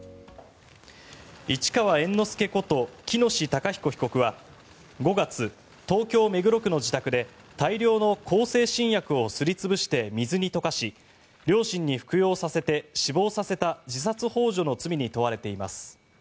市川猿之助こと喜熨斗孝彦被告は５月、東京・目黒区の自宅で大量の向精神薬をすり潰して水に溶かし両親に服用させて死亡させた自殺ほう助の罪に問われています。